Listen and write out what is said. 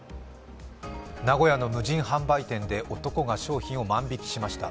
名古屋の無人販売店で男が商品を万引きしました。